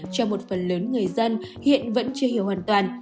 cho một phần lớn người dân hiện vẫn chưa hiểu hoàn toàn